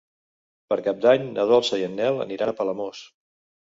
Per Cap d'Any na Dolça i en Nel aniran a Palamós.